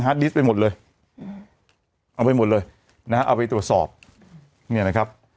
ดิสต์ไปหมดเลยอืมเอาไปหมดเลยนะฮะเอาไปตรวจสอบเนี่ยนะครับ